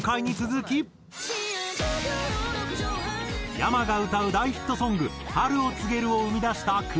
ｙａｍａが歌う大ヒットソング『春を告げる』を生み出したくじら。